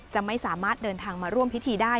จะไม่สามารถเดินทางมาร่วมพิธีได้